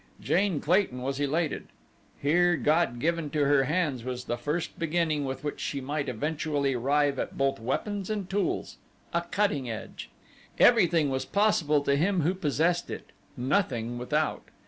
Jane Clayton was elated. Here, God given to her hands, was the first beginning with which she might eventually arrive at both weapons and tools a cutting edge. Everything was possible to him who possessed it nothing without.